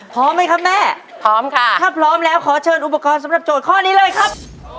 พร้อมไหมครับแม่พร้อมค่ะถ้าพร้อมแล้วขอเชิญอุปกรณ์สำหรับโจทย์ข้อนี้เลยครับ